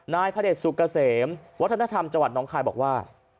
พระเด็จสุกเกษมวัฒนธรรมจังหวัดน้องคายบอกว่า